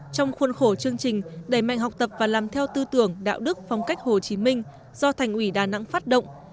trong khuôn khổ chương trình đẩy mạnh học tập và làm theo tư tưởng đạo đức phong cách hồ chí minh do thành ủy đà nẵng phát động